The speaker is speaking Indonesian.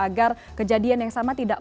agar kejadian yang sama tidak